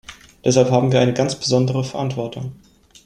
Deshalb haben wir eine ganz besondere Verantwortung.